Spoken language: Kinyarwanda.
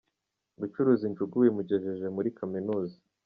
Gucuruza injugu bimugejeje muri kaminuza